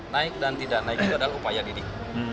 naik dan tidak naik itu adalah upaya didik